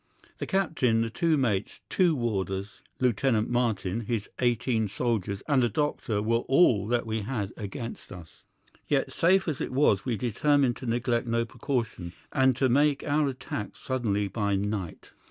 The captain, the two mates, two warders, Lieutenant Martin, his eighteen soldiers, and the doctor were all that we had against us. Yet, safe as it was, we determined to neglect no precaution, and to make our attack suddenly by night.